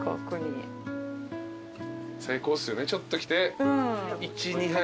最高っすよねちょっと来て１２杯。